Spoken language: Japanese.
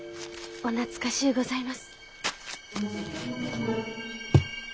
お懐かしゅうございます。